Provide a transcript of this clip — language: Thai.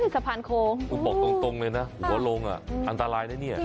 สะพานโค้งคือบอกตรงเลยนะหัวลงอันตรายนะเนี่ย